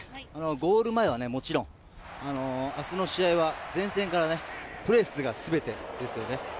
ゴール前はもちろん明日の試合は前線からプレスが全てですよね。